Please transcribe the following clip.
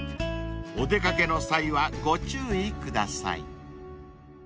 ［お出掛けの際はご注意ください］